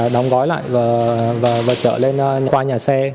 đóng gói lại và chở lên qua nhà xe